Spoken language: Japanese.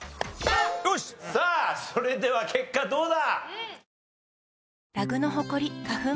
さあそれでは結果どうだ？